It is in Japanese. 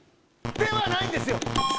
ではないんですよ。